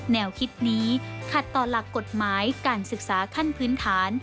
แนวคิดนี้ขัดต่อหลักกฎหมายการศึกษาขั้นพื้นฐาน